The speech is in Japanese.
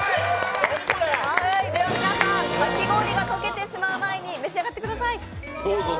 では、皆さん、かき氷が溶けてしまう前に召し上がってください。